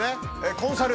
コンサル。